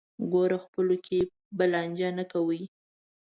ګوره خپلو کې به لانجې نه کوئ.